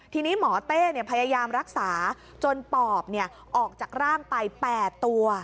ทีนี้หมอเต้พยายามรักษาจนปอบออกจากร่างไป๘ตัว